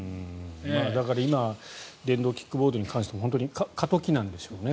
だから今、電動キックボードに関しても本当に過渡期なんでしょうね。